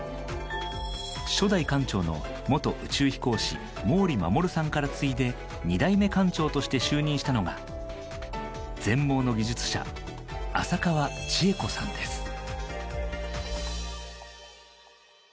初代館長の元宇宙飛行士毛利衛さんから次いで２代目館長として就任したのが全盲の技術者浅川智恵子さんです。